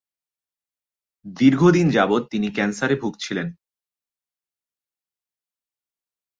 দীর্ঘদিন যাবত তিনি ক্যান্সারে ভুগছিলেন।